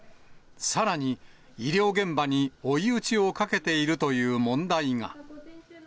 さらに、医療現場に追い打ちをかけているという問題が。